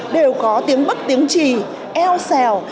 đều có tiếng bất tiếng trì eo xèo